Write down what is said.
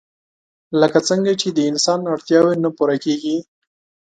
لکه څنګه چې د انسان اړتياوې نه پوره کيږي